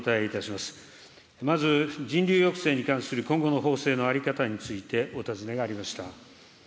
まず人流抑制に関する今後の法制の在り方について、お尋ねがありました。